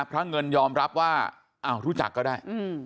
พระเงินยอมรับว่าอ้าวรู้จักก็ได้